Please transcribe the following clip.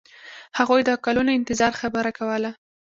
هغوی د کلونو انتظار خبره کوله.